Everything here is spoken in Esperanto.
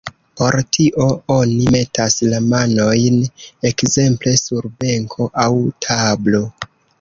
Por tio oni metas la manojn ekzemple sur benko aŭ tablo.